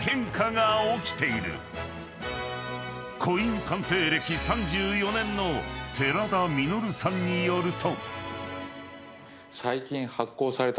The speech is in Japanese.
［コイン鑑定歴３４年の寺田実さんによると］